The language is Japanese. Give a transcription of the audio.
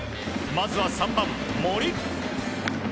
まずは３番、森。